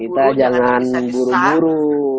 kita jangan buru buru